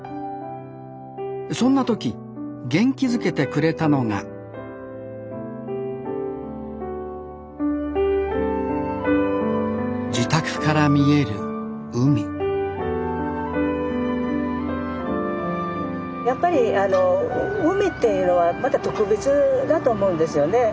そんな時元気づけてくれたのが自宅から見える海やっぱり海っていうのはまた特別だと思うんですよね。